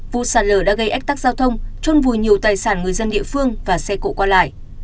vụ sạt lở đã gây ách tắc giao thông trôn vùi nhiều tài sản người dân địa phương và xe cộ qua lại